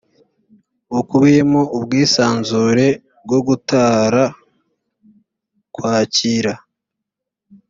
bukubiyemo ubwisanzure bwo gutara kwakira